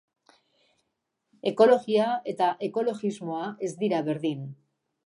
Ekologia eta ekologismoa ez dira berdin.